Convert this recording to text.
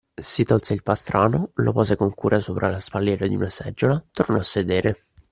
Si tolse il pastrano, lo pose con cura sopra la spalliera di una seggiola, tornò a sedere.